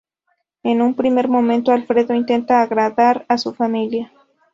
En un primer momento Alfredo intenta agradar a su familia.